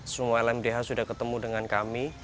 semua lmdh sudah ketemu dengan kami